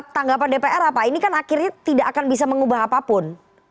tanggapan dpr apa ini kan akhirnya tidak akan bisa mengubah apapun